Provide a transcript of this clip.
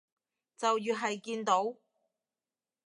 就越係見到